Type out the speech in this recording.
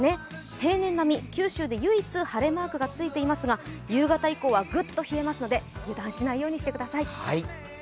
平年並み、九州で唯一晴れマークが着いていますが夕方以降はグッと冷えますので油断しないようにしてください。